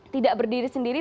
tidak berdiri sendiri